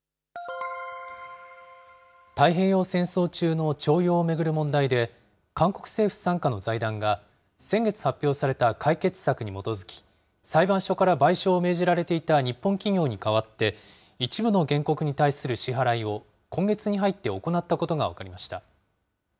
太平洋戦争中の徴用を巡る問題で、韓国政府傘下の財団が、先月発表された解決策に基づき、裁判所から賠償を命じられていた日本企業に代わって、一部の原告に対する支払いを今月に入って行ったことが分かりました。